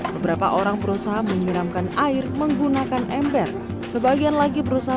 beberapa orang berusaha menyiramkan air menggunakan ember sebagian lagi berusaha